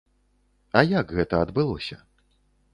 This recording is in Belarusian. А як гэта адбылося?